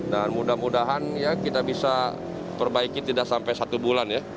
dan mudah mudahan kita bisa perbaiki tidak sampai satu bulan